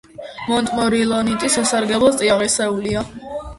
მონტმორილონიტი სასარგებლო წიაღისეულია.